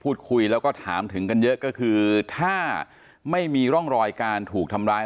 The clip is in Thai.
พูดคุยแล้วก็ถามถึงกันเยอะก็คือถ้าไม่มีร่องรอยการถูกทำร้าย